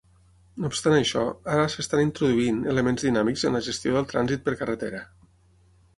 No obstant això, ara s'estan introduint elements dinàmics en la gestió del trànsit per carretera.